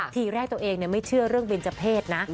ทีแรกตัวเองไม่เชื่อเรื่องเบนเจอร์เพศนะ